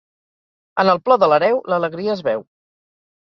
En el plor de l'hereu, l'alegria es veu.